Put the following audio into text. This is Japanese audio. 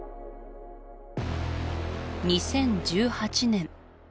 ２０１８年